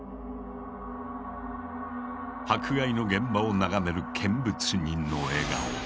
迫害の現場を眺める見物人の笑顔。